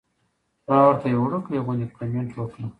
ما ورته يو وړوکے غوندې کمنټ وکړۀ -